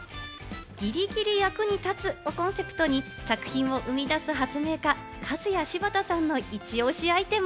ギリギリ役に立つをコンセプトに、作品を生み出す発明家・カズヤシバタさんのイチオシアイテム。